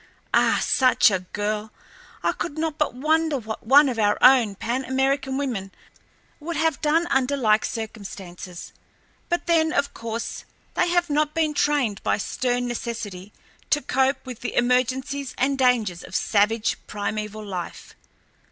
Ah, such a girl! I could not but wonder what one of our own Pan American women would have done under like circumstances. But then, of course, they have not been trained by stern necessity to cope with the emergencies and dangers of savage primeval life.